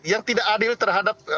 yang tidak adil terhadap